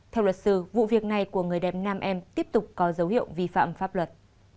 theo luật sư vụ việc này của người đẹp nam em tiếp tục có dấu hiệu vi phạm pháp luật